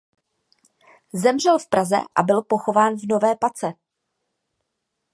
Zemřel v Praze a byl pochován v Nové Pace.